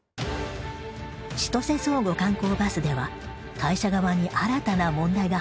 千歳相互観光バスでは会社側に新たな問題が発覚。